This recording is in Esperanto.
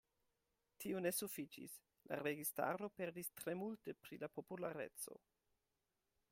Tio ne sufiĉis, la registaro perdis tre multe pri la populareco.